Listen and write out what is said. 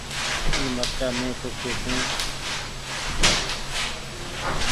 اي مرچآ مين پوکيو ڇون۔